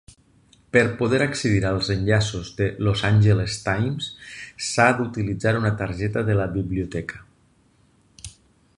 Per poder accedir als enllaços de "Los Angeles Times" s"ha d"utilitzar una targeta de la biblioteca.